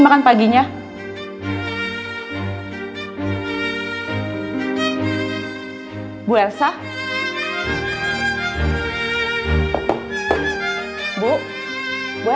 tidak ada yang bisa diberikan kepadanya